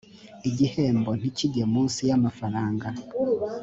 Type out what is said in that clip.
igihembo ntikijye munsi y amafaranga